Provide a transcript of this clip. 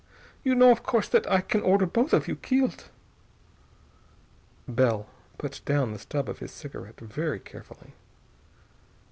You know, of course, that I can order both of you killed...." Bell put down the stub of his cigarette very carefully.